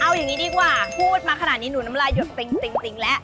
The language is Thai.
เอาอย่างนี้ดีกว่าพูดมาขนาดนี้หนูน้ำลายหยดเต็งแล้ว